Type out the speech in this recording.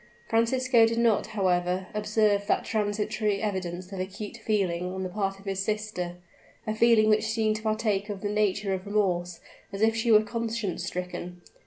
Francisco did not, however, observe that transitory evidence of acute feeling on the part of his sister a feeling which seemed to partake of the nature of remorse, as if she were conscience stricken!